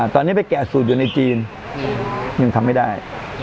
ตอนนี้ไปแกะสูตรอยู่ในจีนยังทำไม่ได้